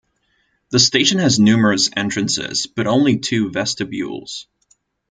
The station has numerous entrances, but only two vestibules.